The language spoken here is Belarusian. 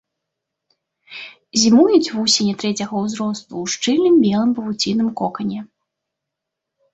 Зімуюць вусені трэцяга ўзросту ў шчыльным белым павуцінным кокане.